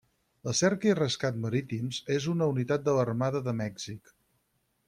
La Cerca i Rescat Marítims és una unitat de l'Armada de Mèxic.